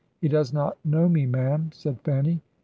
' He does not know me, ma'am,' said Fanny.